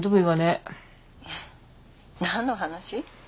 え何の話？